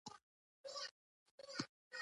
چې نور پرې درک کولای او مدیریت کولای شي.